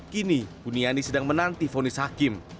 kini buniani sedang menanti fonis hakim